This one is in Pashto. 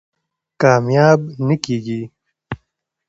کامیاب نه کېږي.